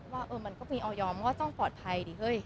ว่ามันก็มีออย่อเพราะน่าต้องปลอดภัย